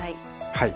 はい。